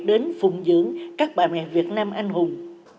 đến phùng dưỡng các bà mẹ việt nam anh hùng